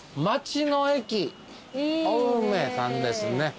まちの駅青梅さんですね。